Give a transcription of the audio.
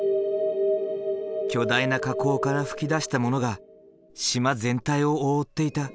巨大な火口から噴き出したものが島全体を覆っていた。